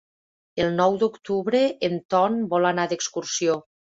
El nou d'octubre en Ton vol anar d'excursió.